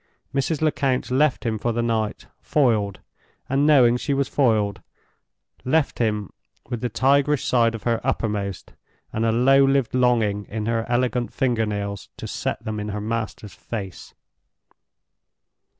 Mrs. Lecount left him for the night, foiled, and knowing she was foiled—left him, with the tigerish side of her uppermost, and a low lived longing in her elegant finger nails to set them in her master's face.